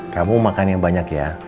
kamu makan yang banyak ya